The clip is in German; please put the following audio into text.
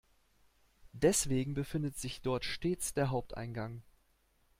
Deswegen befindet sich dort stets der Haupteingang.